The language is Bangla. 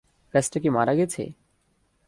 গাছটা কি মারা গেছে?